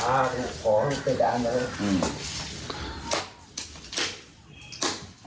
อ้าวขอให้ใส่ดาวหน่อย